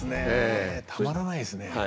たまらないですね。